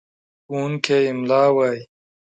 ښوونکی املا وايي.